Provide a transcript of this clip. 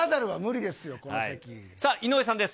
さあ、井上さんです。